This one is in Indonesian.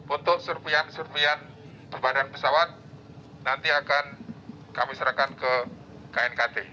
untuk surveian surveian perbadan pesawat nanti akan kami serahkan ke knkt